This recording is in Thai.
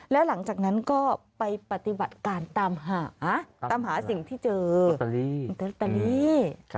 แล้วหลังจากนั้นก็ไปปฏิบัติการตามหาตามหาสิ่งที่เจอแต่นี่